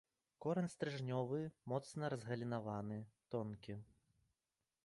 Корань стрыжнёвы, моцна разгалінаваны, тонкі.